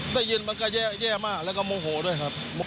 ได้ยินมันก็แย่มากแล้วก็โมโหด้วยครับ